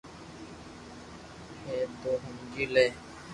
ھي تو ھمجي لي